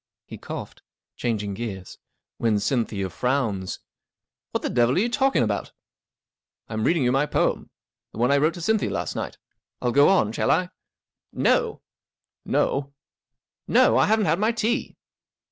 He coughed, changing gears. 44 When Cynthia frowms " 44 What the devil are you talking about ?" 44 I'm reading you my poem. The one I wrote to Cynthia last night. I'll go on, shall I ?" 41 No !" 44 No ?" 44 No. I haven't had my tea."